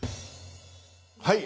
はい。